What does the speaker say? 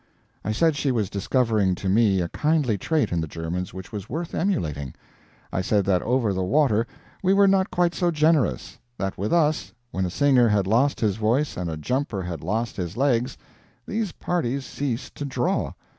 I said she was discovering to me a kindly trait in the Germans which was worth emulating. I said that over the water we were not quite so generous; that with us, when a singer had lost his voice and a jumper had lost his legs, these parties ceased to draw.